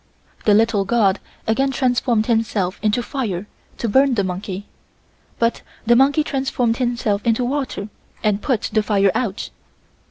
The little god again transformed himself into fire to burn the monkey, but the monkey transformed himself into water and put the fire out.